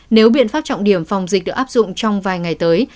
nếu biện pháp trọng điểm phòng dịch được áp dụng trong vài ngày tới